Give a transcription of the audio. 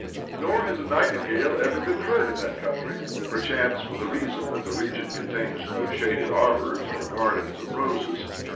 Nor has a nightingale ever been heard in that country — perchance for the reason that the region contains no shaded arbours or gardens of roses.